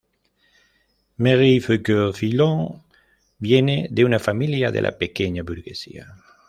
Marie Foucaux-Filon viene de una familia de la pequeña burguesía.